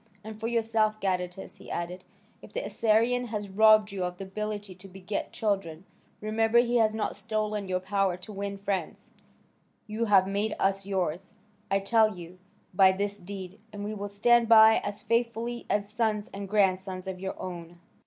And for yourself, Gadatas," he added, "if the Assyrian has robbed you of the ability to beget children, remember he has not stolen your power to win friends; you have made us yours, I tell you, by this deed, and we will stand by as faithfully as sons and grandsons of your own."